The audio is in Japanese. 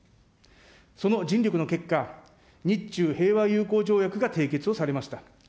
その尽力の結果、日中平和友好条約が締結をされました。